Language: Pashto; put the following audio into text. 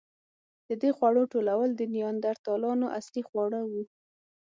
د دې خوړو ټولول د نیاندرتالانو اصلي خواړه وو.